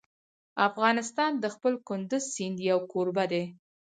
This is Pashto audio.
افغانستان د خپل کندز سیند یو کوربه دی.